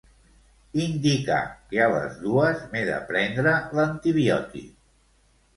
Indicar que a les dues m'he de prendre l'antibiòtic.